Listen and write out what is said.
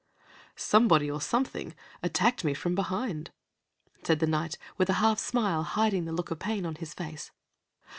"Somebody or something attacked me from behind," said the Knight, with a smile half hiding the look of pain on his face.